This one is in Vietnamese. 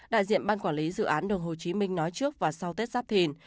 đại diện ban quản lý dự án đường hồ chí minh nói trước và sau tết sắp thìn